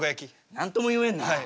何とも言えんな。